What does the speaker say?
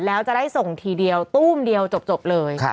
แล้วจะได้ส่งทีเดียวตู้มเดียวจบเลย